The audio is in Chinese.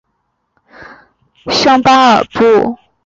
盖隆河畔圣巴尔布。